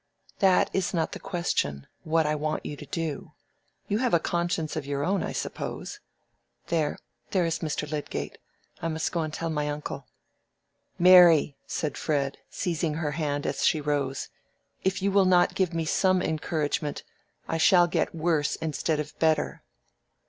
"That is not the question—what I want you to do. You have a conscience of your own, I suppose. There! there is Mr. Lydgate. I must go and tell my uncle." "Mary," said Fred, seizing her hand as she rose; "if you will not give me some encouragement, I shall get worse instead of better."